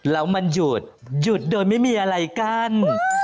แล้วมันหยุดหยุดโดยไม่มีอะไรกั้น